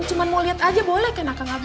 cuma mau liat aja boleh kan aka ngaba